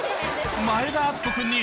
前田敦子君に